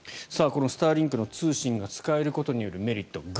このスターリンクの通信が使えることによるメリット